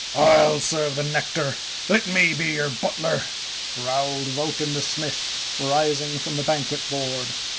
"I'll serve the Nectar. Let me be your but ler," growled Vulcan the Smith, rising |from the banquet board.